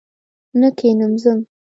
نه کښېنم ځم!